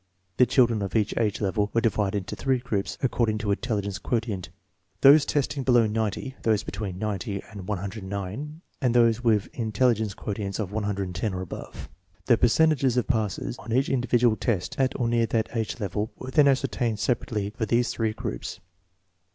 (The children of each age level were di vided into three groups according to intelli gence quotient, those testing below 90, those between 90 and 109, and those with an in telligence quotient of 110 or above. The per centages of passes on each individual test at or near that age level were then ascertained separately for these three groups.